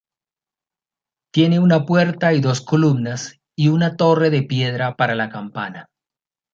Tiene una puerta y dos columnas y una torre de piedra para la campana.